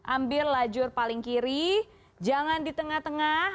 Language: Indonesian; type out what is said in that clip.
ambil lajur paling kiri jangan di tengah tengah